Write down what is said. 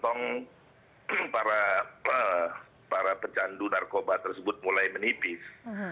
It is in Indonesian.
tong para pecandu narkoba tersebut mulai menipis